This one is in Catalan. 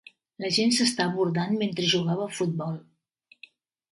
La gent s'està abordant mentre jugava a futbol.